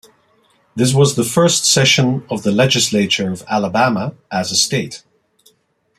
This was the first session of the Legislature of Alabama as a State.